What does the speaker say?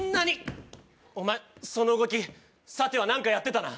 お前その動きさては何かやってたな？